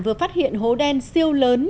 vừa phát hiện hố đen siêu lớn